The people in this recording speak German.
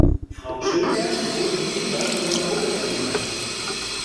Frau Schönberg verbot den Kindern, von den Vogelbeeren zu naschen.